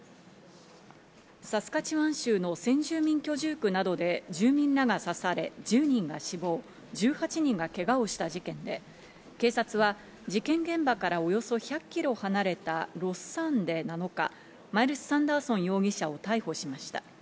サスカチワン州の先住民居住区などで住民らが刺され１０人が死亡、１８人がけがをした事件で、警察は事件現場からおよそ１００キロ離れたロスサーンで７日、マイルス・サンダーソン容疑者を逮捕しました。